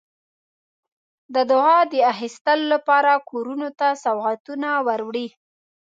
د دعا د اخیستلو لپاره کورونو ته سوغاتونه وروړي.